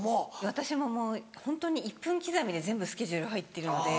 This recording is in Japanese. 私ももうホントに１分刻みで全部スケジュール入ってるので。